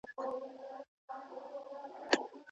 کړۍ په پښو نه اچول کېږي.